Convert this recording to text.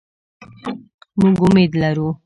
مونږ امید لرو